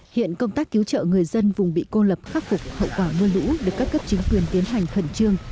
hiện công tác cứu trợ người dân vùng bị cô lập khắc phục hậu quả mưa lũ được các cấp chính quyền tiến hành khẩn trương